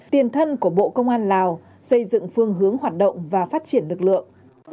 tiền thân của bộ công an lào xây dựng phương hướng hoạt động và phát triển lực lượng